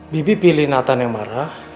bibi pilih natan yang marah